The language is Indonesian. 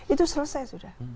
itu selesai sudah